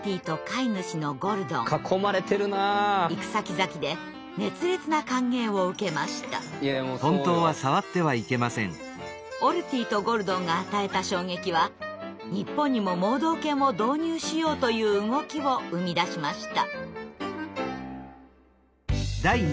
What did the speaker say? いやいやそうよ。オルティとゴルドンが与えた衝撃は日本にも盲導犬を導入しようという動きを生み出しました。